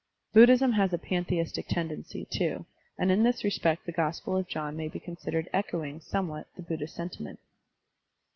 Buddhism has a pantheistic tendency, too, and in this respect the Gospel of John may be con sidered echoing somewhat the Buddhist senti ment.